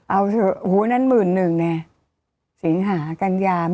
เอาเถอะโหนั่น๑๑๐๐๐เนี่ยสิงหากัญญา๑๓๐๐๐